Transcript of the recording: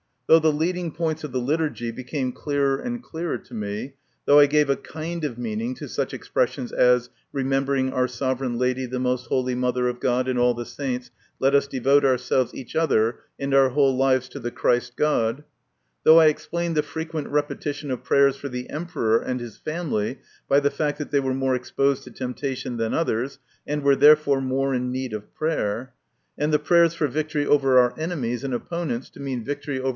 Though the leading points of the Liturgy became clearer and clearer to me ; though I gave a kind of meaning to such expressions as " Remembering our Sovereign Lady, the most Holy Mother of God, and all the Saints, let us devote ourselves, each other, and our whole lives to the Christ God ;" though I explained the frequent repetition of prayers for the Emperor and his family by the fact that they were more exposed to temptation than others, and were therefore more in need of prayer, and the prayers for victory over our enemies and opponents to mean victory over 126 MY CONFESSION.